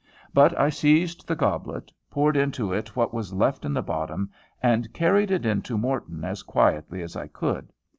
But I seized the goblet, poured into it what was left in the bottom, and carried it in to Morton as quietly as I could.